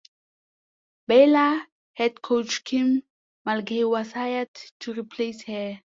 Baylor head coach Kim Mulkey was hired to replace her.